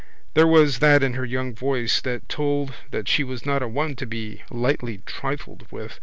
There was that in her young voice that told that she was not a one to be lightly trifled with.